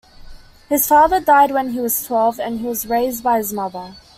His father died when he was twelve, and he was raised by his mother.